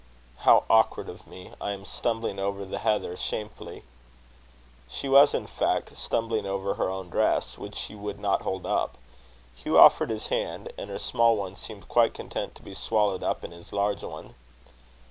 "How awkward of me! I am stumbling over the heather shamefully!" She was, in fact, stumbling over her own dress, which she would not hold up. Hugh offered his hand; and her small one seemed quite content to be swallowed up in his large one.